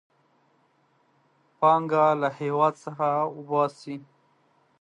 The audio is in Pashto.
پانګه له هېواد څخه وباسي.